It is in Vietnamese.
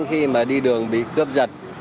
khi mà đi đường bị cướp giật